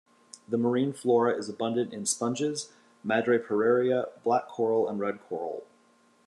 The marine flora is abundant in sponges, madreporaria, black coral and red coral.